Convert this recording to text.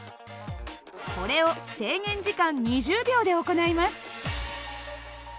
これを制限時間２０秒で行います。